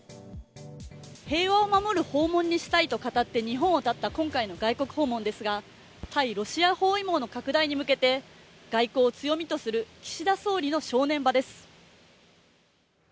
平和を守る訪問にしたいと語って日本をたった今回の外国訪問ですが対ロシア包囲網の拡大へ向けて外交を強みとするここからは「ＴＩＭＥ，」